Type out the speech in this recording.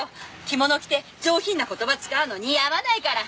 着物着て上品な言葉使うの似合わないから。